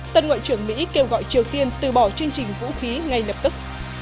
tân ngoại trưởng mỹ kêu gọi triều tiên từ bỏ chương trình vũ khí ngay lập tức